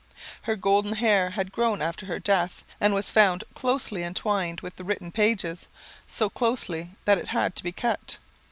Her golden hair had grown after her death, and was found closely entwined with the written pages so closely that it had to be cut.